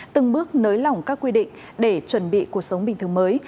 từng bước nới lỏng các quy định để chuẩn bị cuộc sống bình thường mới